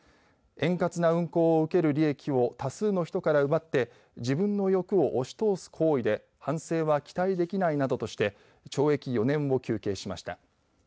円滑な運航を受ける利益を多数の人から奪って自分の欲を押しとおす行為で反省は期待できないなどとして懲役４年を求刑しました。